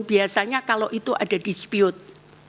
biasanya kalau itu ada dispute